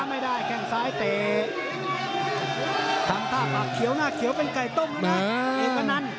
ไม่ได้แข้งซ้ายเตะทำท่าปากเขียวหน้าเขียวเป็นไก่ต้มแล้วนะเอกพนัน